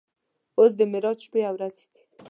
اوس د معراج شپې او ورځې دي.